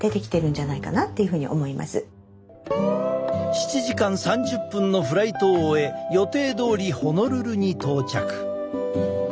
７時間３０分のフライトを終え予定どおりホノルルに到着。